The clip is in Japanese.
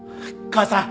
母さん？